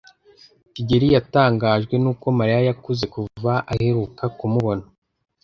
kigeli yatangajwe nuko Mariya yakuze kuva aheruka kumubona.